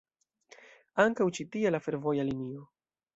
Ankaŭ ĉi tie la fervoja linio.